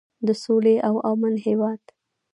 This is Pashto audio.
د سولې او امن هیواد.